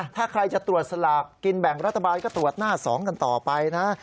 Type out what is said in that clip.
ถ้าใครจะตรวจสลากกินแบ่งรัฐบาลก็ตรวจหน้า๒กันต่อไปนะ